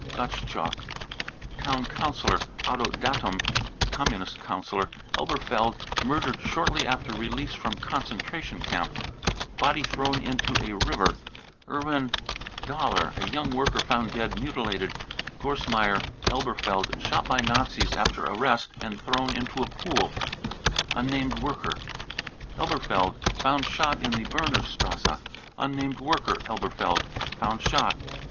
gottschalk, town councillor, otto dattem, Communist councillor, Elberfeld, murdered shortly after release from concentration camp, body thrown into a river. 0 erwin D abler, a young worker, found dead, mutilated. gorsmeier, Elberfeld, shot by Nazis after arrest and thrown into a pool, unnamed worker, Elberfeld, found shot in the Bremerstrasse. unnamed worker, Elberfeld, found shot.